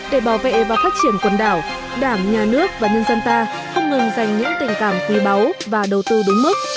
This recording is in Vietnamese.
để bảo vệ và phát triển quần đảo đảng nhà nước và nhân dân ta không ngừng dành những tình cảm quý báu và đầu tư đúng mức